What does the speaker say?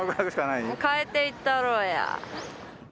変えていったやろうや！